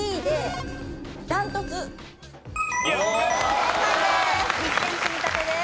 正解です。